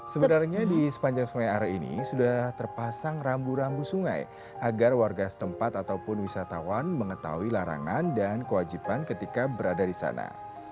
sebenarnya di sepanjang sungai are ini sudah terpasang rambu rambu sungai agar warga setempat ataupun wisatawan mengetahui larangan dan kewajiban ketika berada di sana